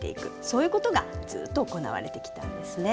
そういう事がずっと行われてきたんですね。